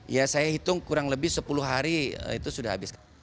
ya saya hitung kurang lebih sepuluh hari itu sudah habis